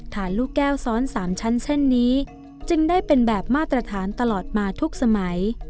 ลูกแก้วซ้อน๓ชั้นเช่นนี้จึงได้เป็นแบบมาตรฐานตลอดมาทุกสมัย